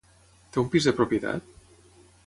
Té un pis de propietat?